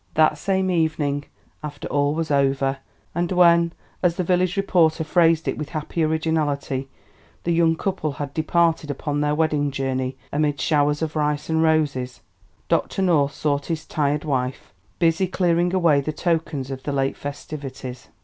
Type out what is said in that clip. That same evening, after all was over, and when, as the village reporter phrased it with happy originality, "the young couple had departed upon their wedding journey amid showers of rice and roses," Dr. North sought his tired wife, busy clearing away the tokens of the late festivities.